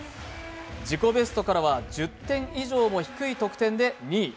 自己ベストからは１０点以上も低い得点で２位。